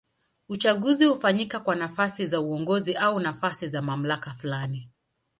Uchaguzi hufanyika kwa nafasi za uongozi au nafasi za mamlaka fulani.